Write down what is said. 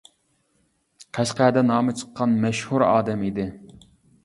قەشقەردە نامى چىققان مەشھۇر ئادەم ئىدى.